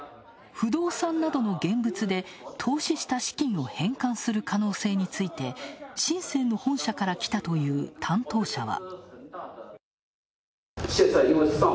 不動産などの現物で、投資した資金を返還する可能性について深センの本社から来たという担当者は。